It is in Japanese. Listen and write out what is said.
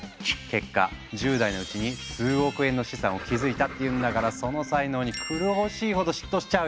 結果１０代のうちに数億円の資産を築いたっていうんだからその才能に狂おしいほど嫉妬しちゃうよね！